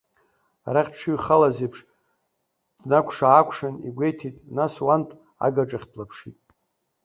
Арахь дшыҩхалаз еиԥш, днакәша-аакәшан игәеиҭеит, нас уантә агаҿахь длаԥшит.